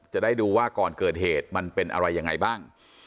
จะได้ดูว่าก่อนเกิดเหตุมันเป็นอะไรยังไงบ้าง